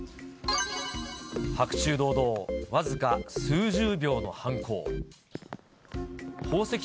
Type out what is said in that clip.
白昼堂々、僅か数十秒の犯行。